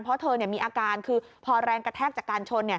เพราะเธอมีอาการคือพอแรงกระแทกจากการชนเนี่ย